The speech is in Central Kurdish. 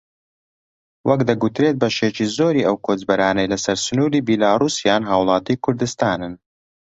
وەک دەگوترێت بەشێکی زۆری ئەو کۆچبەرانەی لەسەر سنووری بیلاڕووسیان هاوڵاتیانی کوردستانن